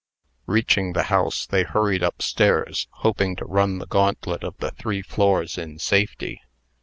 Reaching the house, they hurried up stairs, hoping to run the gauntlet of the three floors in safety.